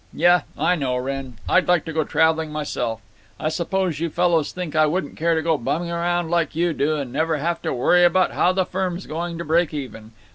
"Yuh, I know, Wrenn. I'd like to go traveling myself—I suppose you fellows think I wouldn't care to go bumming around like you do and never have to worry about how the firm's going to break even.